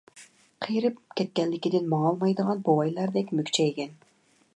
قېرىپ كەتكەنلىكىدىن ماڭالمايدىغان بوۋايلاردەك مۈكچەيگەن.